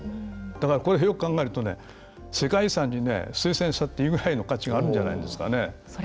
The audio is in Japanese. だから、これよく考えると世界遺産に推薦したっていいくらいの価値があるんじゃないですかね。